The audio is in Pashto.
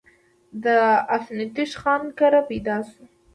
د افتينوش خان کره پيدا شو